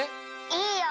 いいよ！